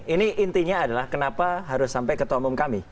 ini intinya adalah kenapa harus sampai ke tolum kami